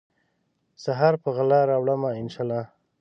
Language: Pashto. سحر په غلا راوړمه ، ان شا الله